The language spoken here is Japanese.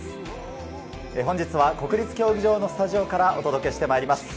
本日は国立競技場のスタジオからお届けしてまいります。